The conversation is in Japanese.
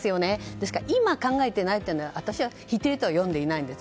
ですから今考えていないというのは私は否定とは読んでいないんです。